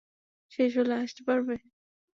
শেষ হলে আসতে পারবে?